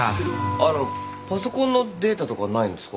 あのパソコンのデータとかないんですか？